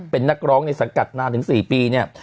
เป็นนักร้องในสังกัดนานถึง๔ปีเนี่ย